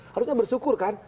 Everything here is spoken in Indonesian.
harusnya bersyukur kan